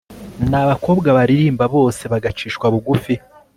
n'abakobwa baririmba bose bagacishwa bugufi